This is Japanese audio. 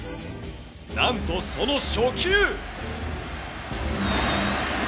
なんとその初球。